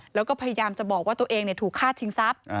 แล้วก็พยายามจะบอกว่าตัวเองถูกฆ่าชิงทรัพย์